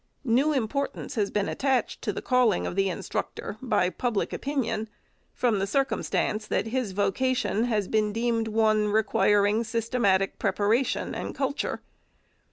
New importance has been attached to the calling of the instructor by public opinion, from the circumstance that his vocation has been deemed one requiring systematic preparation and culture.